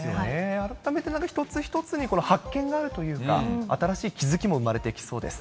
改めて一つ一つに発見があるというか、新しい気付きも生まれてきそうです。